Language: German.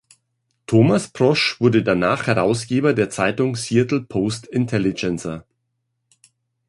Thomas Prosch wurde danach Herausgeber der Zeitung Seattle Post-Intelligencer.